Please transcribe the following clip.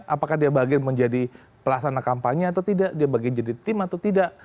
apakah dia bagian menjadi pelaksana kampanye atau tidak dia bagi jadi tim atau tidak